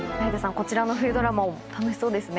こちらの冬ドラマも楽しそうですね。